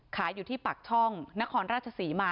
ขายอยู่ที่ปากช่องนครราชศรีมา